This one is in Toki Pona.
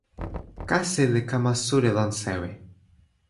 kasi li kama suli lon sewi.